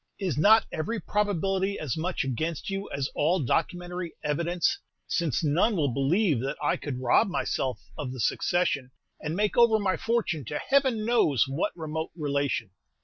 Is not every probability as much against you as all documentary evidence, since none will ever believe that I could rob myself of the succession, and make over my fortune to Heaven knows what remote relation?"